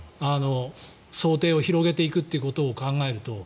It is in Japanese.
想定を広げていくということを考えると。